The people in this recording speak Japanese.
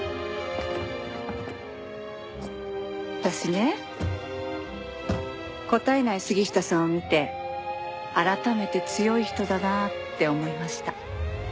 私ね答えない杉下さんを見て改めて強い人だなって思いました。